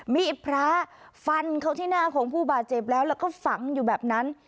มีดพระฟันเข้าที่หน้าของผู้บาดเจ็บแล้วแล้วก็ฝังอยู่แบบนั้น